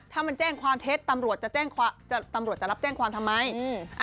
ถ้ามันแจ้งความเท็จตำรวจจะแจ้งความจะตำรวจจะรับแจ้งความทำไมอืม